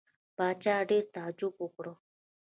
پاچا ډېر تعجب وکړ.